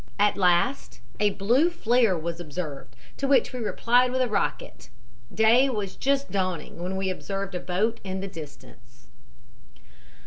"At last a blue flare was observed, to which we replied with a rocket. Day was just dawning when we observed a boat in the distance.